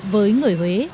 với người huế